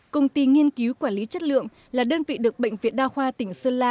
công ty nghiên cứu quản lý chất lượng là đơn vị được bệnh viện đa khoa tỉnh sơn la